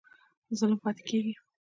ظلم پاتی کیږي؟